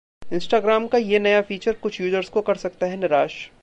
Instagram का ये नया फीचर कुछ यूजर्स को कर सकता है निराश